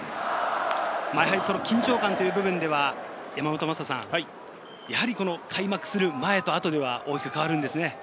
緊張感という部分では開幕する前と後では大きく変わるんですね。